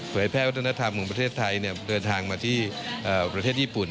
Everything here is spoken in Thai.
แพ่วัฒนธรรมของประเทศไทยเดินทางมาที่ประเทศญี่ปุ่น